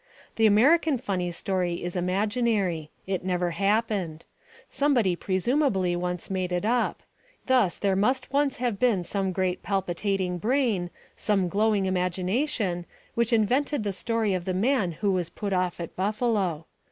The American funny story is imaginary. It never happened. Somebody presumably once made it up. It is fiction. Thus there must once have been some great palpitating brain, some glowing imagination, which invented the story of the man who was put off at Buffalo.